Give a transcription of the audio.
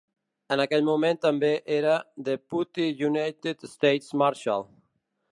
En aquell moment també era Deputy United States Marshal.